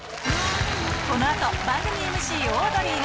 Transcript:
このあと、番組ＭＣ、オードリーが。